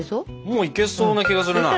もういけそうな気がするな。